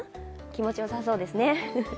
気持ちよさそうですね。